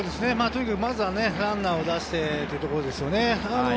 まずはランナーを出してというところですよね。